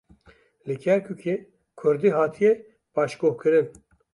Li Kerkûkê kurdî hatiye paşguhkirin.